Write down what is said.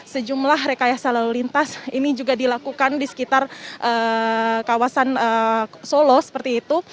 sejumlah rekayasa lalu lintas ini juga dilakukan di sekitar kawasan solo seperti itu